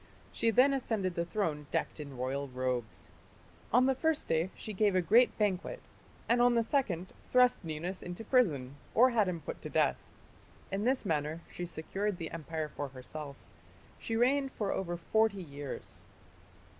She then ascended the throne decked in royal robes. On the first day she gave a great banquet, and on the second thrust Ninus into prison, or had him put to death. In this manner she secured the empire for herself. She reigned for over forty years.